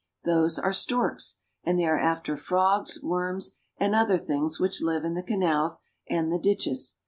Those are storks, and they are after frogs, worms, and other things which live in the canals and the ditches.